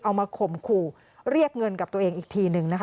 มาข่มขู่เรียกเงินกับตัวเองอีกทีหนึ่งนะคะ